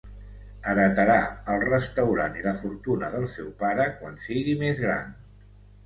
Heretarà el restaurant i la fortuna del seu pare quan sigui més gran.